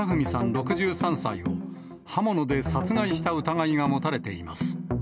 ６３歳を刃物で殺害した疑いが持たれています。